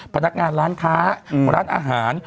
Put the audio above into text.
พนักงานร้านค้าร้านอาหาร